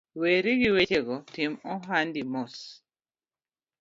Weri gi wechego, tim ohandi mos